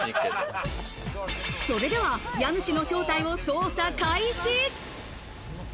それでは家主の正体を捜査開始。